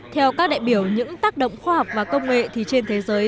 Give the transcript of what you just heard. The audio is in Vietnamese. theo các đại biểu những tác động khoa học và công nghệ thì trên thế giới